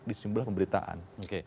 di sejumlah pemberitaan